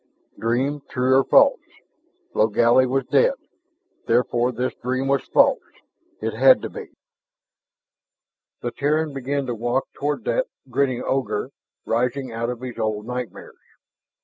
Dream true or false. Logally was dead; therefore, this dream was false, it had to be. The Terran began to walk toward that grinning ogre rising out of his old nightmares.